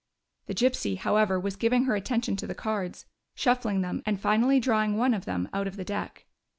The gypsy, however, was giving her attention to the cards, shuffling them, and finally drawing one of them out of the deck.